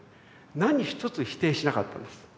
何一つ否定しなかったんです。